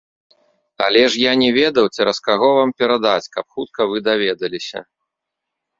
Але ж я не ведаў, цераз каго вам перадаць, каб хутка вы даведаліся.